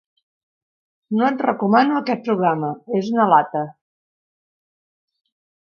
No et recomano aquest programa: és una lata.